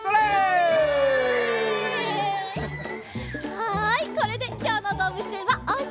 はいこれできょうのどうぶつえんはおしまい。